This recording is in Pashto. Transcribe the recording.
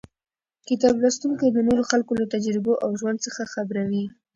کتاب لوستونکی د نورو خلکو له تجربو او ژوند څخه خبروي.